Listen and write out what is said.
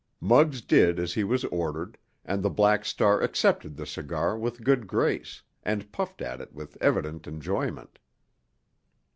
Muggs did as he was ordered, and the Black Star accepted the cigar with good grace and puffed at it with evident enjoyment.